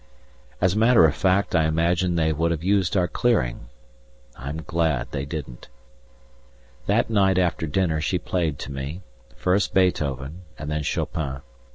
As a matter of fact I imagine they would have used our clearing I'm glad they didn't. That night after dinner she played to me, first Beethoven and then Chopin.